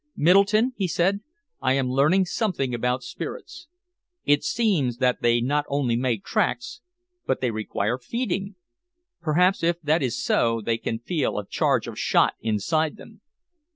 "Middleton," he said, "I am learning something about spirits. It seems that they not only make tracks, but they require feeding. Perhaps if that is so they can feel a charge of shot inside them."